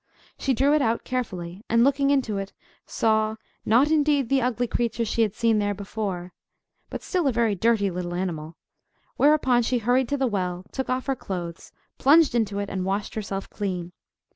She drew it out carefully, and, looking into it, saw, not indeed the ugly creature she had seen there before, but still a very dirty little animal; whereupon she hurried to the well, took off her clothes, plunged into it, and washed herself clean.